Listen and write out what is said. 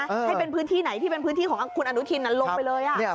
ให้เป็นพื้นที่ไหนที่เป็นพื้นที่ของคุณอนุทินลงไปเลย